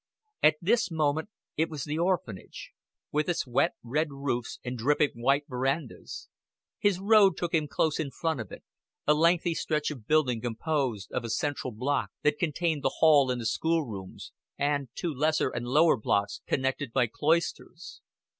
At this moment it was the Orphanage, with its wet red roofs and dripping white verandas. His road took him close in front of it a lengthy stretch of building composed of a central block that contained the hall and schoolrooms, and two lesser and lower blocks connected by cloisters.